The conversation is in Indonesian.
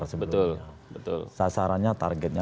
betul betul sasarannya targetnya